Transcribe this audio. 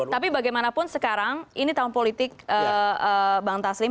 tapi bagaimanapun sekarang ini tahun politik bang taslim